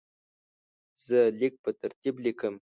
زه لیک په ترتیب لیکم.